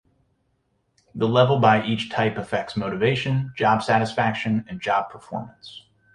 The level by each type affects motivation, job satisfaction, and job performance.